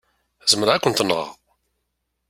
Zemreɣ ad kent-nɣeɣ.